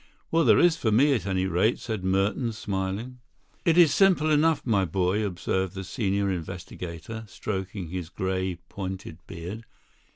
"Well, there is for me, at any rate," said Merton, smiling. "It is simple enough, my boy," observed the senior investigator, stroking his grey, pointed beard.